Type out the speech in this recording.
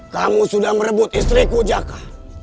kamu sudah merebut istriku jaka